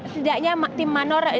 setidaknya tim manor